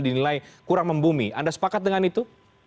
dinilai kurang membumi anda sepakat dengan itu